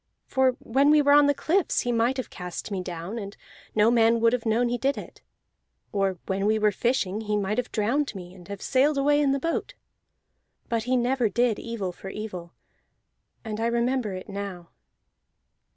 For when we were on the cliffs he might have cast me down, and no man would have known he did it. Or when we were fishing he might have drowned me, and have sailed away in the boat. But he never did evil for evil, and I remember it now."